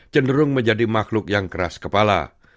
cenderung menjadi makhluk yang keras kepala